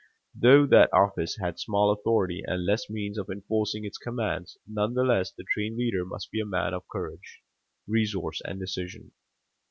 Though that office had small authority and less means of enforcing its commands, none the less the train leader must be a man of courage, resource and decision.